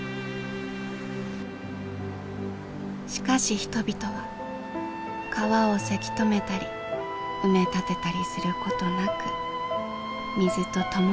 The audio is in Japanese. しかし人々は川をせき止めたり埋め立てたりすることなく水と共に暮らしてきた。